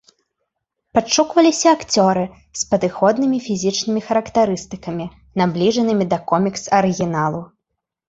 Падшукваліся акцёры з падыходнымі фізічнымі характарыстыкамі, набліжанымі да комікс-арыгіналу.